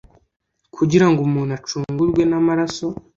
kugira ngo umuntu acungurwe namaraso